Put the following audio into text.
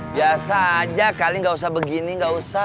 biasa aja kali gak usah begini gak usah